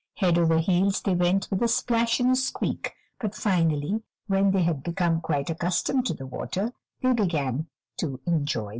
Head over heels they went with a splash and a squeak. But finally when they had become quite accustomed to the water, they began to enjoy [Illustration: MRS.